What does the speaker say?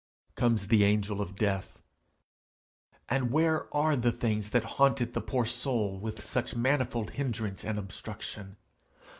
Comes the angel of death! and where are the things that haunted the poor soul with such manifold hindrance and obstruction!